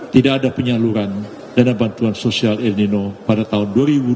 tidak ada penyaluran dana bantuan sosial el nino pada tahun dua ribu dua puluh